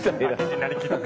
なりきって。